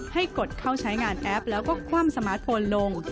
กดเข้าใช้งานแอปแล้วก็คว่ำสมาร์ทโฟนลง